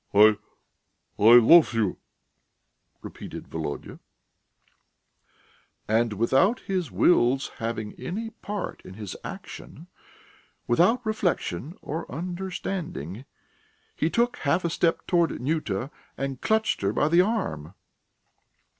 "I ... I love you!" repeated Volodya. And without his will's having any part in his action, without reflection or understanding, he took half a step towards Nyuta and clutched her by the arm.